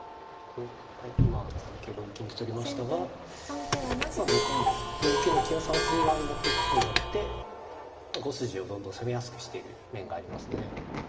はい今３九同金と取りましたが４九の金を３筋側に持っていくことによって５筋をどんどん攻めやすくしてる面がありますね。